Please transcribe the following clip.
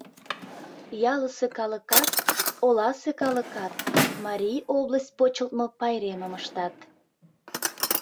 Ялысе калыкат, оласе калыкат Марий область почылтмо пайремым ыштат.